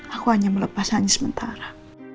aku hanya melepas hanya sementara